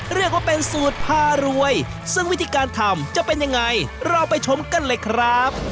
เรียกว่าเป็นสูตรพารวยซึ่งวิธีการทำจะเป็นยังไงเราไปชมกันเลยครับ